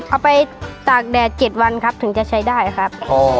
เอาไปตากแดด๗วันครับถึงจะใช้ได้ครับ